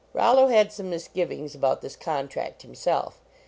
Rollo had some misgivings about this contract himself.